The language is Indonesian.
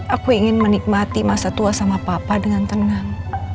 aku ingin menikmati masa tua sama papa dengan tenang